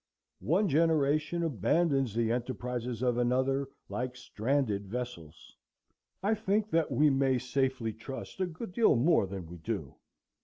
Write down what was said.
One generation abandons the enterprises of another like stranded vessels. I think that we may safely trust a good deal more than we do.